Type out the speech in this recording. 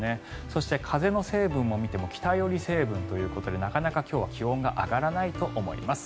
そして風の成分を見ても北寄り成分ということでなかなか今日は気温が上がらないと思います。